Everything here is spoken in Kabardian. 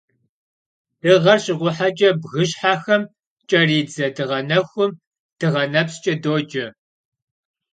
Dığer şıkhueheç'e bgışhexem ç'eridze dığenexum dığenepsç'e doce.